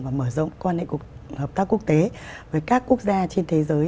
và mở rộng quan hệ hợp tác quốc tế với các quốc gia trên thế giới